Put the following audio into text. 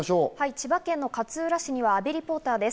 千葉県の勝浦市には阿部リポーターです。